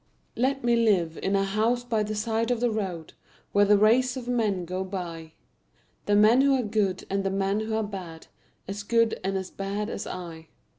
Let me live in a house by the side of the road Where the race of men go by The men who are good and the men who are bad, As good and as bad as I.